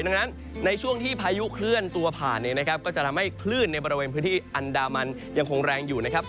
ดังนั้นในช่วงที่พายุเคลื่อนตัวผ่านเนี่ยนะครับก็จะทำให้คลื่นในบริเวณพื้นที่อันดามันยังคงแรงอยู่นะครับ